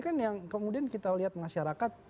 kan yang kemudian kita lihat masyarakat